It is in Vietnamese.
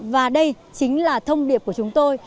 và đây chính là thông điệp của chúng tôi